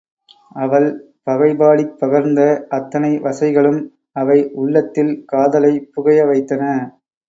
அவள் பகைபாடிப் பகர்ந்த அத்தனை வசைகளும் அவை உள்ளத்தில் காதலைப் புகைய வைத்தன.